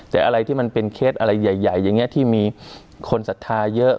แต่อะไรที่มันเป็นเคสอะไรใหญ่อย่างนี้ที่มีคนศรัทธาเยอะ